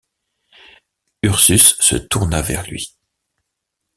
Ursus se tourna vers lui.